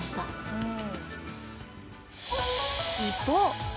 うん。